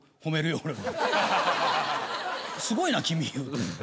すごいな君いう。